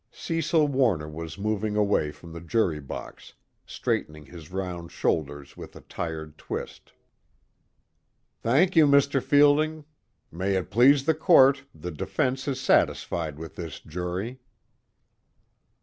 _ Cecil Warner was moving away from the jury box, straightening his round shoulders with a tired twist. "Thank you, Mr. Fielding. May it please the Court, the defense is satisfied with this jury."